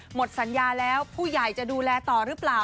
หมดสัญญาแล้วผู้ใหญ่จะดูแลต่อหรือเปล่า